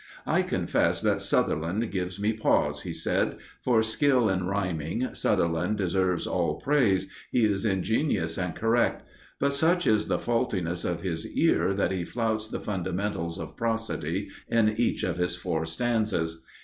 "I confess that Sutherland gives me pause," he said. "For skill in rhyming, Sutherland deserves all praise he is ingenious and correct but such is the faultiness of his ear that he flouts the fundamentals of prosody in each of his four stanzas.